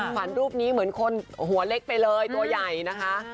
รูปนี้เหมือนคนหัวเล็กไปเลยตัวใหญ่นะคะ